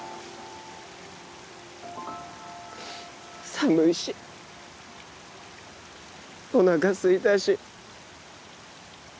寒いしおなかすいたし。